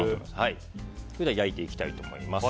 それでは、焼いていきたいと思います。